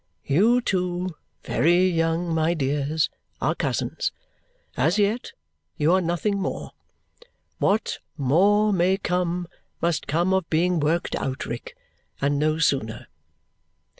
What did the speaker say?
You two (very young, my dears) are cousins. As yet, you are nothing more. What more may come must come of being worked out, Rick, and no sooner."